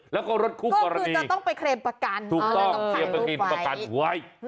แล้วก็รถคู่ปรดมีถูกต้องเลือกไปเคลมประกันไว้